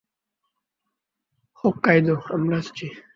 Hokkaido, আমরা আসছি!